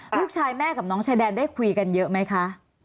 ลูกชายแม่กับน้องชายแดนได้คุยกันเยอะไหมคะ